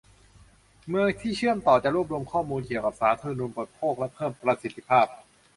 เมืองที่เชื่อมต่อจะรวบรวมข้อมูลเกี่ยวกับสาธารณูปโภคและเพิ่มประสิทธิภาพ